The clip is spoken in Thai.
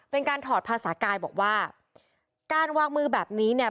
ถอดภาษากายบอกว่าการวางมือแบบนี้เนี่ย